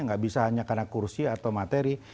nggak bisa hanya karena kursi atau materi